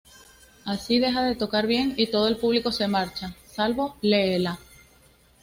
Así deja de tocar bien y todo el público se marcha, salvo Leela.